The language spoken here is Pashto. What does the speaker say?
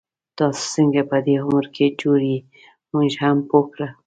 تاسو څنګه په دی عمر کي جوړ يې، مونږ هم پوه کړه